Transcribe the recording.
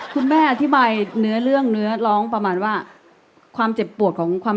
คุณแม่อธิบายเนื้อเรื่องเนื้อร้องประมาณว่า